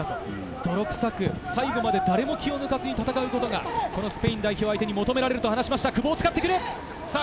泥臭く最後まで誰も気を抜かずに戦うことがスペイン代表相手に求められると話していました。